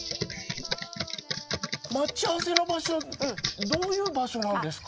待ち合わせの場所どういう場所なんですか。